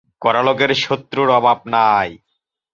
কড়া লোকের শত্রুর অভাব নাই।